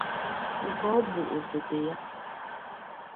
nke ọ bụ òsòtè ya